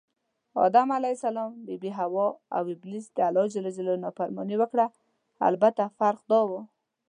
آدم ع، بي بي حوا اوابلیس دالله ج نافرماني وکړه البته فرق دا و